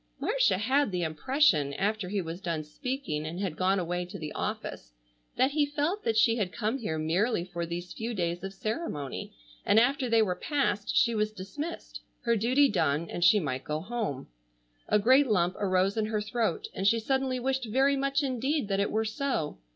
Marcia had the impression, after he was done speaking and had gone away to the office, that he felt that she had come here merely for these few days of ceremony and after they were passed she was dismissed, her duty done, and she might go home. A great lump arose in her throat and she suddenly wished very much indeed that it were so.